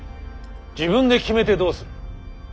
自分で決めてどうする。